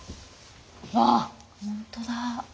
わほんとだ。